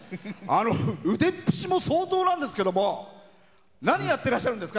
相当なんですけども何をやってらっしゃるんですか？